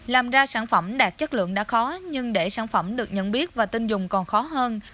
làm ra sản phẩm đạt chất lượng đã khó nhưng để sản phẩm được nhận biết và tin dùng còn khó hơn